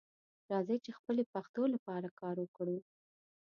راځئ چې خپلې پښتو لپاره کار وکړو